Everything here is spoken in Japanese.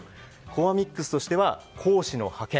コアミックスとしては講師の派遣